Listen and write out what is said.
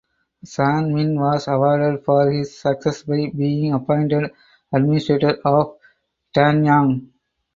Zhang Min was rewarded for his success by being appointed Administrator of Danyang.